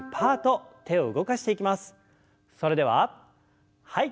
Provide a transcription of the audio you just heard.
それでははい。